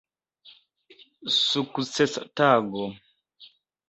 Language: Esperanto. Sukcesa tago!